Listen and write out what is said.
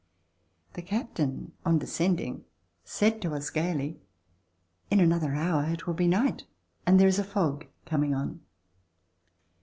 The captain on de scending said to us gayly: "In another hour it will be night, and there is a fog coming on."